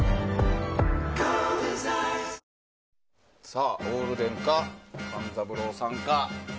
さあ、オールデンか勘三郎さんか。